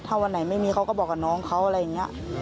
ถ้าวันไหนไม่มีเขาก็บอกกับน้องเขาอะไรอย่างนี้